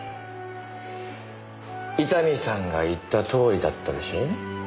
伊丹さんが言ったとおりだったでしょ？